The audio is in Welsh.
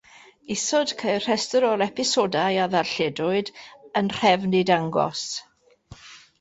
Isod ceir rhestr o'r episodau a ddarlledwyd, yn nhrefn eu dangos.